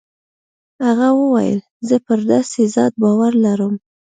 هغه وويل زه پر داسې ذات باور لرم.